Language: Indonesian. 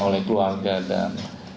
oleh keluarga dan